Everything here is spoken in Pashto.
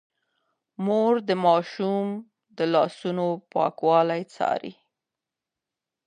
مور د ماشوم د لاسونو پاکوالی څاري.